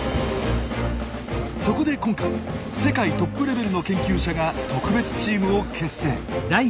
そこで今回世界トップレベルの研究者が特別チームを結成。